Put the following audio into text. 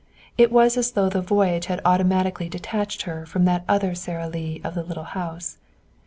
It was as though the voyage had automatically detached her from that other Sara Lee of the little house.